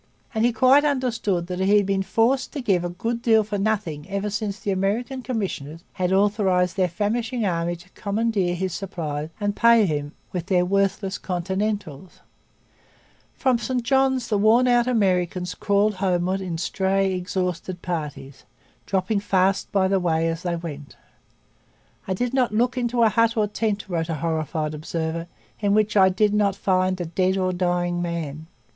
And he quite understood that he had been forced to give a good deal for nothing ever since the American commissioners had authorized their famishing army to commandeer his supplies and pay him with their worthless 'Continentals.' From St Johns the worn out Americans crawled homewards in stray, exhausted parties, dropping fast by the way as they went. 'I did not look into a hut or a tent,' wrote a horrified observer, 'in which I did not find a dead or dying man.'